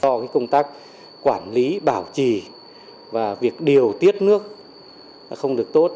do công tác quản lý bảo trì và việc điều tiết nước không được tốt